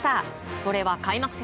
それは、開幕戦。